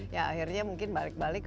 ya akhirnya mungkin balik balik